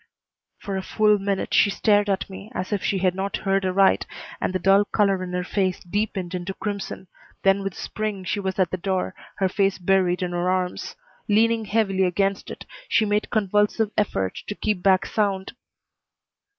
For a full minute she stared at me as if she had not heard aright and the dull color in her face deepened into crimson, then with a spring she was at the door, her face buried in her arms. Leaning heavily against it, she made convulsive effort to keep back sound.